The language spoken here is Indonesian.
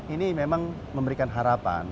ini memang memberikan harapan